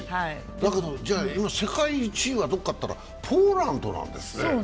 だけど今世界１位はどこかといったらポーランドなんですよね。